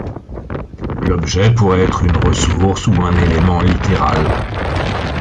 L'objet pourrait être une ressource ou un élément littéral.